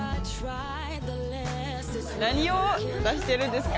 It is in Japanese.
何を出してるんですか！